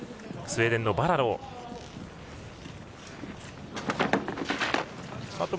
スウェーデンのバラローです。